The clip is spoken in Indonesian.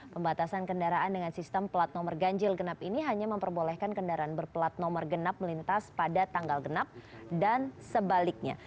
pembatasan kendaraan dengan sistem plat nomor ganjil genap ini hanya memperbolehkan kendaraan berplat nomor genap melintas pada tanggal genap dan sebaliknya